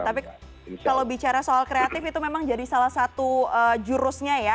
tapi kalau bicara soal kreatif itu memang jadi salah satu jurusnya ya